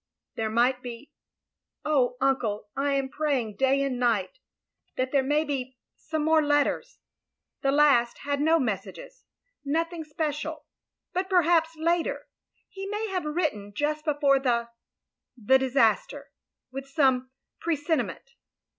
There might be — oh Uncle, I am praying day and night there may be — some 3o6 THE LONELY LADY more letters. The last had no messages — nothing special. But perhaps later — ^he may have written jtist before the— the disaster — ^with some pre sentiment.